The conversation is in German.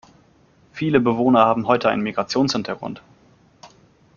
Viele Bewohner haben heute einen Migrationshintergrund.